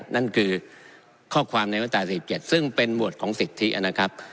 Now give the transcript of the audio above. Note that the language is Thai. นั่นคือข้อความในมาตรา๔๗ซึ่งเป็นหวดของสิทธินะครับ